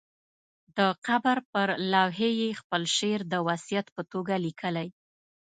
د قبر پر لوحې یې خپل شعر د وصیت په توګه لیکلی.